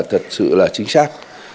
thật sự là chính xác